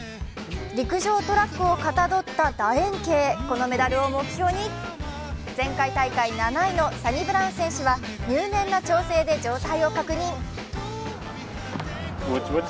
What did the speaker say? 陸上トラックをかたどっただ円形このメダルを目標に前回大会７位のサニブラウン選手は入念な調整で状態を確認。